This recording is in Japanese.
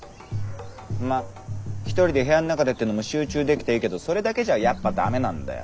まあひとりで部屋の中でってのも集中できていいけどそれだけじゃあやっぱダメなんだよ。